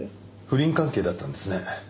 不倫関係だったんですね。